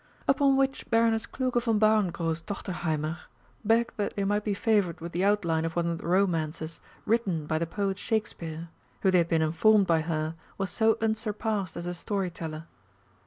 Upon which Baroness Kluge von Bauerngrosstochterheimer begged that they might be favoured with the outline of one of the romances written by the Poet Shakespeare, who they had been informed by her was so unsurpassed as a story teller.